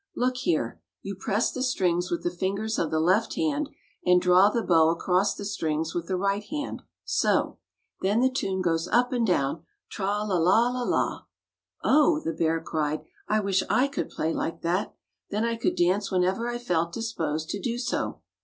"'Look here; you press the strings with the fingers of the left hand, and draw the bow across the strings with the right hand, so. Then the tune goes up and down — tra la la la la !" "Oh!" the bear cried, "I wish I could play like that. Then I could dance when ever I felt disposed to do so.